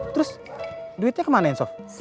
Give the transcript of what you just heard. terus duitnya kemana sof